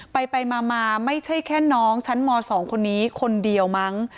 ไปมาไม่ใช่แค่น้องชั้นม๒คนนี้คนเดียวมั้ง